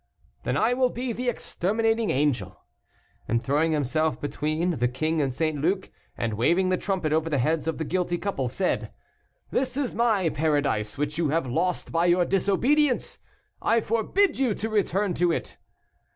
"Then I will be the exterminating angel." And throwing himself between, the king and St. Luc, and waving the trumpet over the heads of the guilty couple, said "This is my Paradise, which you have lost by your disobedience; I forbid you to return to it."